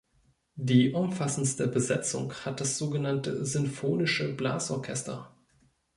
Die umfassendste Besetzung hat das sogenannte "Sinfonische Blasorchester".